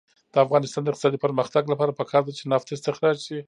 د افغانستان د اقتصادي پرمختګ لپاره پکار ده چې نفت استخراج شي.